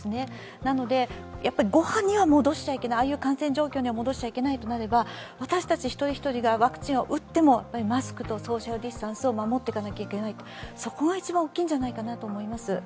なので、第５波のような感染状況には戻しちゃいけないとなれば私たち一人一人がワクチンを打ってもマスクとソーシャルディスタンスを守っていかなきゃいけない、そこが一番大きいんじゃないかなと思います。